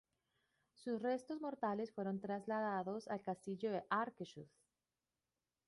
Sus restos mortales fueron trasladados al Castillo de Akershus.